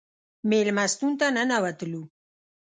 مېلمستون ته ننوتلو.